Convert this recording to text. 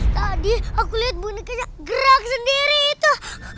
tadi aku liat bonekanya gerak sendiri itu